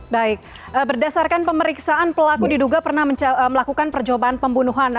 baik berdasarkan pemeriksaan pelaku diduga pernah melakukan percobaan pembunuhan